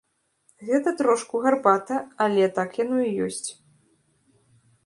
Гэта трошку гарбата, але так яно і ёсць.